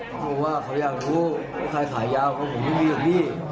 ผมว่าเขายังรู้ใครขายยาวของผมไม่มีอย่างนี้